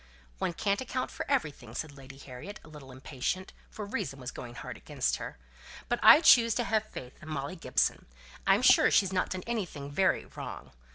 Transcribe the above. "One can't account for everything," said Lady Harriet, a little impatiently, for reason was going hard against her. "But I choose to have faith in Molly Gibson. I'm sure she's not done anything very wrong.